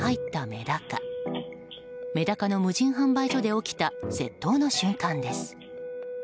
メダカの無人販売所で起きた窃盗の瞬間です。